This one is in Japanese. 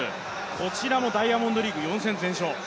こちらもダイヤモンドリーグ４戦全勝。